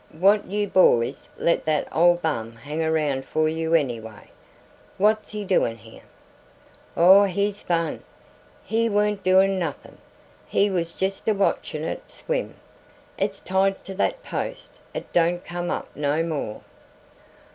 What you boys let that old bum hang around you for anyway. What's he doin' here?" "Aw, he's fun. He warn't doin' nothin'. He was just awatchin' it swim. It's tied to that post. It don't come up no more."